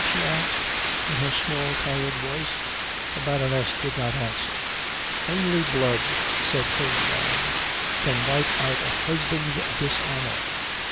she asked, in her small tired voice. The Baroness did not answer. "Only blood," said Hildebrand, "can wipe out a husband's dishonour."